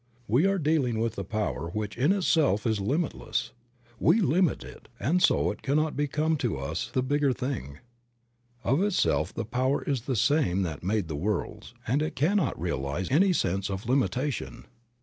We are dealing with a power which in itself is limitless. We limit it, and so it cannot become to us the bigger thing. Of itself the power is the same that made the worlds, and it cannot realize any sense of limitation.